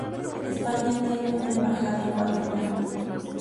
España tienen una embajada en Guatemala.